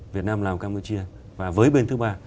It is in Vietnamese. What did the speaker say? việt nam lào campuchia và với bên thứ ba